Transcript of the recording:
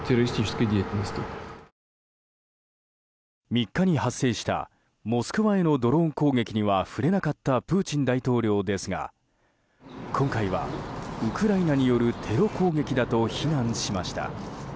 ３日に発生したモスクワへのドローン攻撃には触れなかったプーチン大統領ですが今回はウクライナによるテロ攻撃だと非難しました。